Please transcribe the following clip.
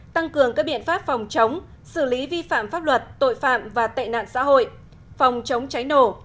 tăng cường các biện pháp phòng chống xử lý vi phạm pháp luật tội phạm và tệ nạn xã hội phòng chống cháy nổ